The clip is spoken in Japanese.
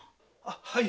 はい。